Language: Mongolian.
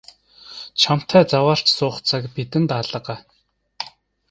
Чамтай заваарч суух цаг бидэнд алга.